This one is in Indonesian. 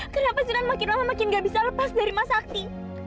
kenapa sudah makin lama makin gak bisa lepas dari masakti